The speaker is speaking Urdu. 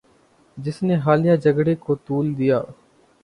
جس نے حالیہ جھگڑے کو طول دیا